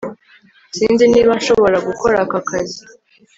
Sinzi niba nshobora gukora aka kazi